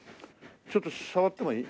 ちょっと触ってもいい？